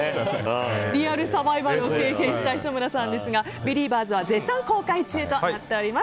リアルサバイバルを経験した磯村さんですが「ビリーバーズ」は絶賛公開中です。